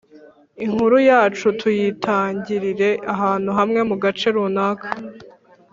inkuru yacu tuyitangirire ahantu hamwe mu gace runaka,